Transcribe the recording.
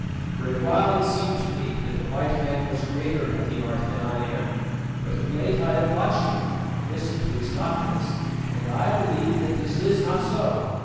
For a while it seemed to me that the white man was greater at the art than I am; but of late I have watched him and listened to his doctrines, and I believe that this is not so.